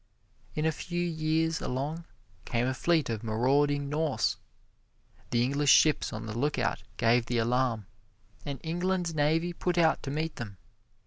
In a few years along came a fleet of marauding Norse. The English ships on the lookout gave the alarm, and England's navy put out to meet them.